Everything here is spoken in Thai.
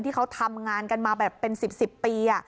ที่เขาทำงานกันมาแบบเป็น๑๐ปี